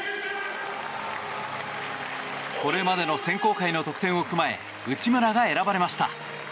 これまでの選考会の得点を踏まえ内村が選ばれました。